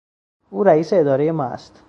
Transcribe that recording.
او رئیس ادارهی ما است.